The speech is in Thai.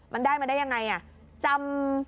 มันได้มาได้ยังไงอ่ะจำ